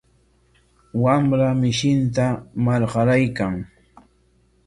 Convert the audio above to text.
Wamra mishinta marqaraykan.